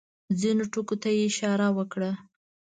ځینو ټکو ته یې اشاره وکړه.